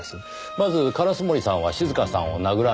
まず烏森さんは静香さんを殴らなかった。